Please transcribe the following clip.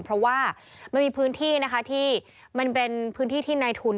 เพราะว่ามันมีพื้นที่นะคะที่มันเป็นพื้นที่ที่ในทุน